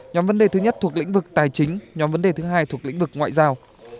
nhóm vấn đề thứ nhất thuộc lĩnh vực tài chính nhóm vấn đề thứ hai thuộc lĩnh vực ngoại giao